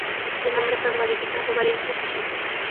El nombre fue modificado varias veces.